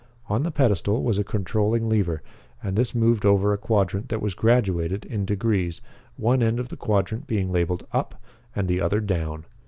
On the pedestal was a controlling lever and this moved over a quadrant that was graduated in degrees, one end of the quadrant being labeled "Up" and the other "Down."